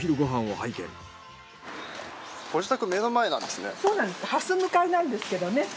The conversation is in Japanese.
はす向かいなんですけどね。